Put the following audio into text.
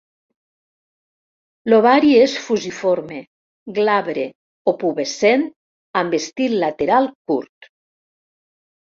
L'ovari és fusiforme, glabre o pubescent, amb estil lateral curt